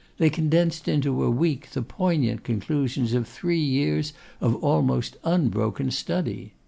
They condensed into a week the poignant conclusions of three years of almost unbroken study.